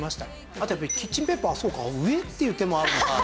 あとやっぱりキッチンペーパーそうか上っていう手もあるのか。